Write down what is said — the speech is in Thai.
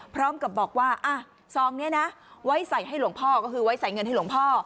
พร้อมกับบอกว่าซองนี้นะไว้ใส่ให้หลวงพ่อก็คือไว้ใส่เงินให้หลวงพ่อ